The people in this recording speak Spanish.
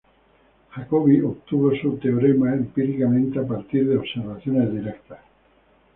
Jacobi obtuvo su teorema empíricamente, a partir de observaciones directas.